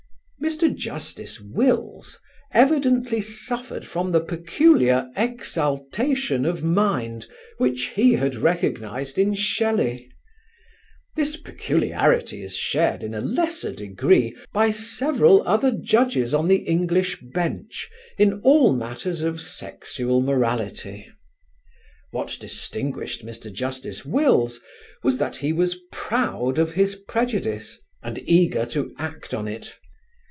Mr. Justice Wills evidently suffered from the peculiar "exaltation" of mind which he had recognised in Shelley. This peculiarity is shared in a lesser degree by several other Judges on the English bench in all matters of sexual morality. What distinguished Mr. Justice Wills was that he was proud of his prejudice and eager to act on it.